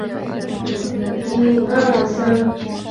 蒂芬大学已获得认证。